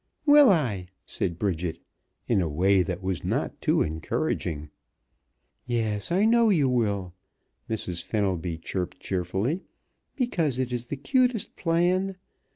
"Will I?" said Bridget in a way that was not too encouraging. "Yes, I know you will," Mrs. Fenelby chirped cheerfully, "because it is the cutest plan.